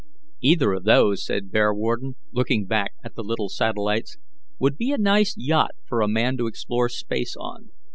"Either of those," said Bearwarden, looking back at the little satellites, "would be a nice yacht for a man to explore space on.